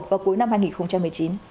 vào cuối năm hai nghìn một mươi chín